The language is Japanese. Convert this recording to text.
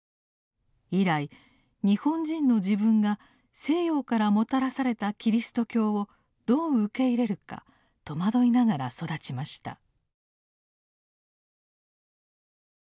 以来日本人の自分が西洋からもたらされたキリスト教をどう受け入れるか戸惑いながら育ちました。